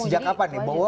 sejak kapan ya bowo